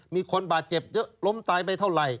มีคนบาดเจ็บเยอะล้มตายไปเท่าไหร่